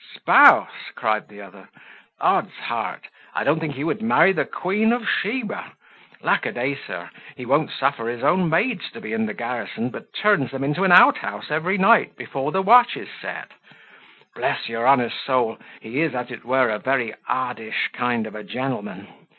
"Spouse!" cried the other; "odds heart! I don't think he would marry the queen of Sheba. Lack a day! sir, he won't suffer his own maids to be in the garrison, but turns them into an out house every night before the watch is set. Bless your honour's soul, he is, as it were, a very oddish kind of a gentleman.